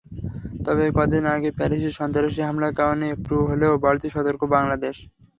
তবে কদিন আগে প্যারিসে সন্ত্রাসী হামলার কারণে একটু হলেও বাড়তি সতর্ক বাংলাদেশ।